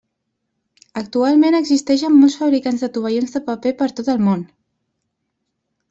Actualment existeixen molts fabricants de tovallons de paper per tot el món.